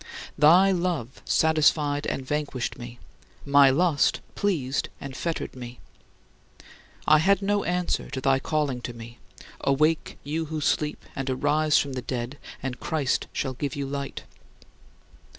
Thy love satisfied and vanquished me; my lust pleased and fettered me. I had no answer to thy calling to me, "Awake, you who sleep, and arise from the dead, and Christ shall give you light."